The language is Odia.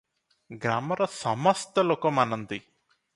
ଗ୍ରାମର ସମସ୍ତ ଲୋକ ମାନନ୍ତି ।